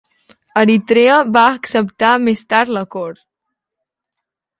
Eritrea va acceptar més tard l'acord.